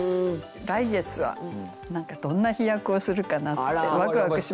来月は何かどんな飛躍をするかなってワクワクしますね。